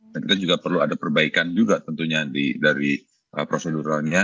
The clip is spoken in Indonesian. dan kita juga perlu ada perbaikan juga tentunya dari proseduralnya